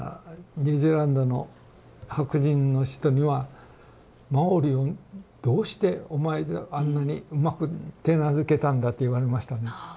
ニュージーランドの白人の人には「マオリをどうしてお前があんなにうまく手懐けたんだ」と言われましたね。